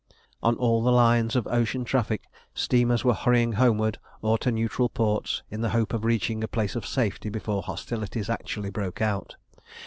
On all the lines of ocean traffic, steamers were hurrying homeward or to neutral ports, in the hope of reaching a place of safety before hostilities actually broke out.